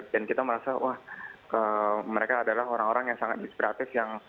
dan kita merasa wah mereka adalah orang orang yang sangat inspiratif